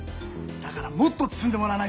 だからもっと包んでもらわないと。